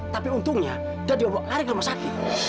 tapi untungnya dia diobok lari ke rumah sakit